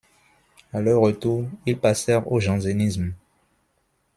À leur retour, ils passèrent au jansénisme.